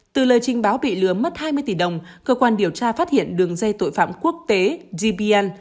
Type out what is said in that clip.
từ lời trình báo bị lừa mất hai mươi tỷ đồng cơ quan điều tra phát hiện đường dây tội phạm quốc tế gbn